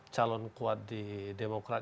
calon kuat di demokrat